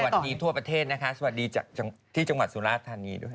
สวัสดีทั่วประเทศนะคะสวัสดีจากที่จังหวัดสุราธานีด้วย